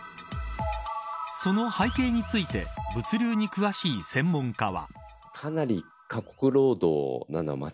その背景について物流に詳しい専門家は。